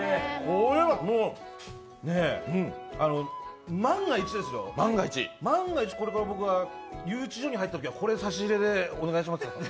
これはもう、万が一、これから僕が留置場に入ったときはこれ、差し入れでお願いします。